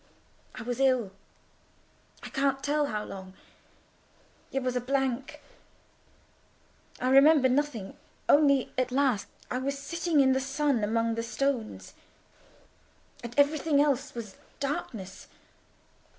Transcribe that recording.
"I was ill. I can't tell how long—it was a blank. I remember nothing, only at last I was sitting in the sun among the stones, and everything else was darkness.